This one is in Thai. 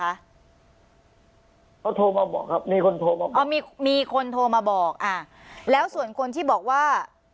เขาโทรมาบอกครับมีคนโทรมาบอกอ๋อมีมีคนโทรมาบอกอ่าแล้วส่วนคนที่บอกว่า